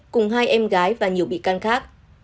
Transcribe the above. cùng hai em gái và nhiều bị can khác